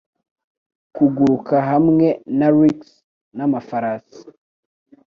Kuguruka hamwe na ricks, n'amafarasi